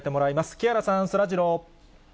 木原さん、そらジロー。